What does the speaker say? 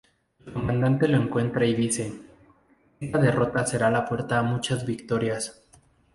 El Comandante lo encuentra, y dice "esta derrota será la puerta a muchas victorias".